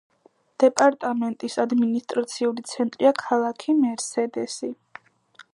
დეპარტამენტის ადმინისტრაციული ცენტრია ქალაქი მერსედესი.